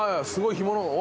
干物。